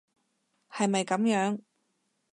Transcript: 係咪噉樣？